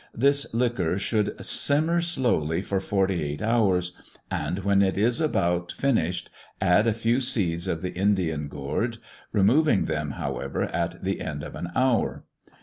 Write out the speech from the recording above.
This Liquor should simmer slowly for forty eight hours, and when it is about finish'd, add a few seeds of the Indian Gourd, removing them, however, at the end of an Hour.